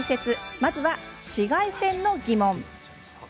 まずは、紫外線の疑問。